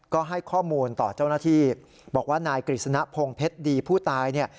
ก็ให้ข้อมูลต่อเจ้าหน้าที่บอกว่านายกฤษณะพงเพชรดีผู้ตายเนี่ย